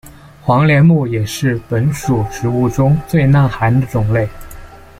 黄连木也是本属植物中最耐寒的种类。